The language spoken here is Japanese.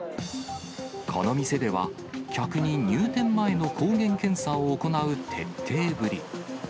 この店では、客に入店前の抗原検査を行う徹底ぶり。